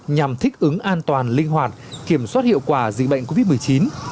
nhằm thích ứng an toàn linh hoạt kiểm soát hiệu quả dịch bệnh covid một mươi chín